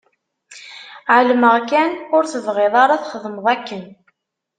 Ԑelmeɣ kan ur tebɣiḍ ara txedmeḍ akken.